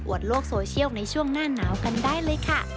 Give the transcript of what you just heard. โลกโซเชียลในช่วงหน้าหนาวกันได้เลยค่ะ